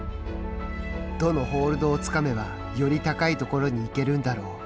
どのホールをつかめばより高い所に行けるんだろう。